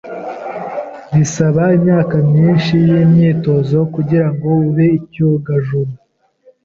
Bisaba imyaka myinshi yimyitozo kugirango ube icyogajuru.